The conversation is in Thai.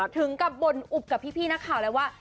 ถึงกับบ่นอุบกับพี่นักข่าวแล้วว่า